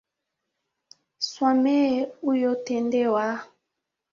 Swamehe uyotendewa.